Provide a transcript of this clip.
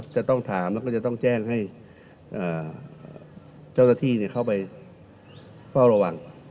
จะต้องถามแล้วก็จะต้องแจ้งให้เจ้าหน้าที่เข้าไปเฝ้าระวัง